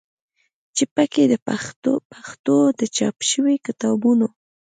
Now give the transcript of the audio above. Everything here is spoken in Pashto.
چې په کې د پښتو د چاپ شوي کتابونو